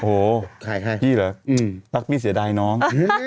โอ้โหพี่เหรอรักพี่เสียดายน้อง